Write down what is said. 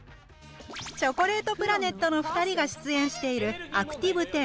チョコレートプラネットの２人が出演している「アクティブ１０